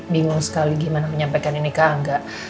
bingung sekali gimana menyampaikan ini ke angga